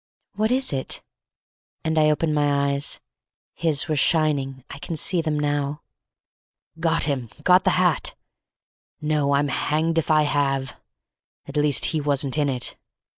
"What is it?" And I opened my eyes. His were shining. I can see them now. "Got him—got the hat! No, I'm hanged if I have; at least he wasn't in it.